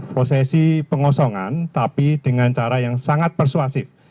prosesi pengosongan tapi dengan cara yang sangat persuasif